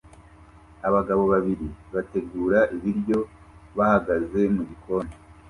Abagabo babiri bategura ibiryo bahagaze mugikoni